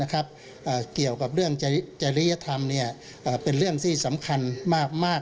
เกี่ยวกับเรื่องจริยธรรมเป็นเรื่องที่สำคัญมาก